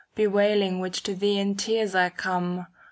Bewailing which to thee in tears I come.